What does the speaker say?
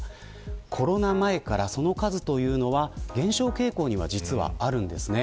コロナ前から、その数は減少傾向には実はあるんです。